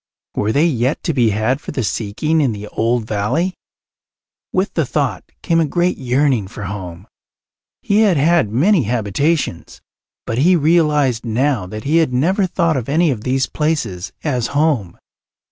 Were they yet to be had for the seeking in the old valley? With the thought came a great yearning for home. He had had many habitations, but he realized now that he had never thought of any of these places as home.